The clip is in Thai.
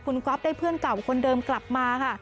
คุณก๊อฟได้เพื่อนเก่าคนเดิมกลับมาค่ะ